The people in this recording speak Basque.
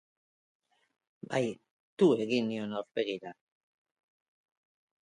Bai, tu egin nion aurpegira.